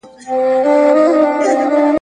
د عکسونو اخیستل او د غزل راتلل وه: ..